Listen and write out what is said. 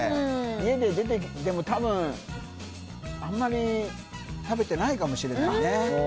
家で出て、でもたぶん、あんまり食べてないかもしれないね。